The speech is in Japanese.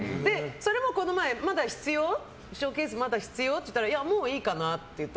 それもこの前まだショーケース必要？って聞いたらもういいかなって言って。